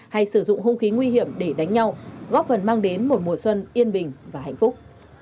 hay sử dụng hung khí nguy hiểm để đánh nhau góp phần mang đến một mùa xuân yên bình và hạnh phúc